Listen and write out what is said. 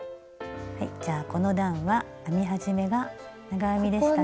この段は編み始めが長編みでしたね。